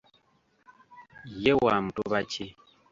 Ye wa mu Mutuba ki?